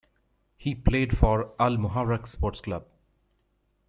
He played for Al-Muharraq Sports Club.